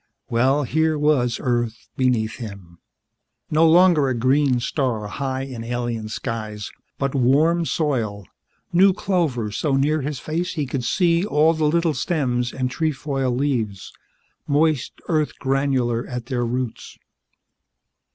Well, here was Earth beneath him. No longer a green star high in alien skies, but warm soil, new clover so near his face he could see all the little stems and trefoil leaves, moist earth granular at their roots.